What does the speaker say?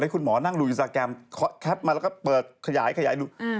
คุณหมอนั่งดูอินสตาแกรมแคปมาแล้วก็เปิดขยายดู